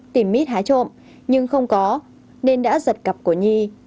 tìm mít hái trộm nhưng không có nên đã giật cặp của nhi